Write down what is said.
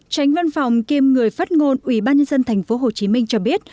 tránh văn phòng kiêm người phát ngôn ủy ban nhân dân tp hcm cho biết